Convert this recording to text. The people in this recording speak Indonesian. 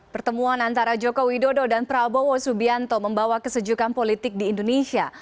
pertemuan antara jokowi dodo dan prabowo subianto membawa kesejukan politik di indonesia